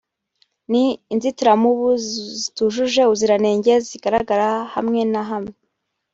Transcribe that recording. ni inzitiramubu zitujuje ubuziranenge zigaragara hamwe na hamwe